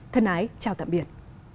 thân ái chào tạm biệt